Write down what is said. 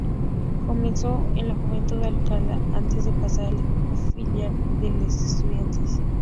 Comenzó en el Juventud Alcalá antes de pasar al equipo filial del Estudiantes.